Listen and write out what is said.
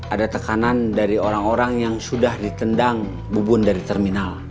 ada tekanan dari orang orang yang sudah ditendang bubun dari terminal